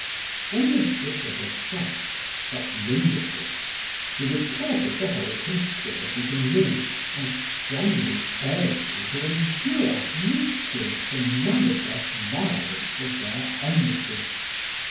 When the Bishop of Chartres got wind of this, he reported the whole conspiracy to me, and strongly urged me to endure meekly the manifest violence of their enmity.